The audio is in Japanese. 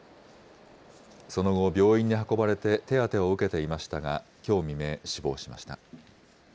その後、病院に運ばれて手当てを受けていましたが、きょう未明、死亡しました。